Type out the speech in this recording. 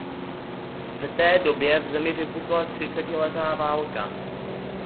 V té době v zemi vypukla třicetiletá válka.